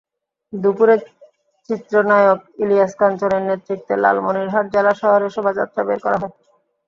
দুপুরে চিত্রনায়কইলিয়াস কাঞ্চনের নেতৃত্বে লালমনিরহাট জেলা শহরে শোভাযাত্রা বের করা হয়।